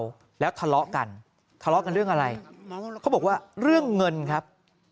แล้วทะเลาะกันทะเลาะกันเรื่องอะไรเขาบอกว่าเรื่องเงินครับ